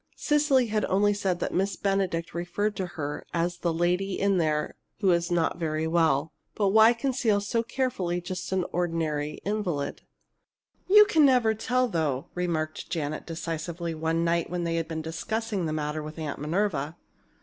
Cecily had only said that Miss Benedict referred to her as "the lady in there who is not very well." But why conceal so carefully just an ordinary invalid? "You never can tell, though," remarked Janet, decisively, one night when they had been discussing the matter with Aunt Minerva.